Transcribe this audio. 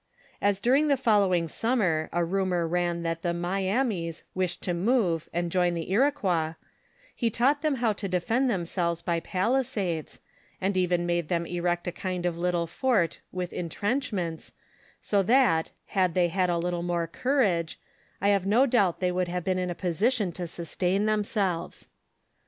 As during the following summer a rumor ran that the Myamis wished to move and join the Iroquois, he taught them how to defend themselves by palisades, and even made them erect a kind of little fort with intrenchmentf, so that, had they had a little more courage, I have no doubt they would have been in a position to sustain themselves.